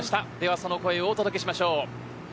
その声をお届けしましょう。